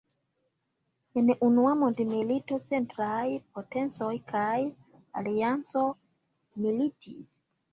En Unua Mondmilito, Centraj Potencoj kaj Alianco militis.